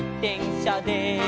しゃで」